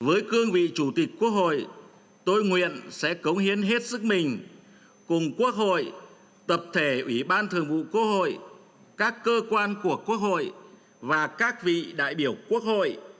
với cương vị chủ tịch quốc hội tôi nguyện sẽ cống hiến hết sức mình cùng quốc hội tập thể ủy ban thường vụ quốc hội các cơ quan của quốc hội và các vị đại biểu quốc hội